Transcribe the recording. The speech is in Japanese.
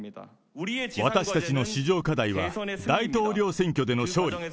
私たちの至上課題は大統領選挙での勝利。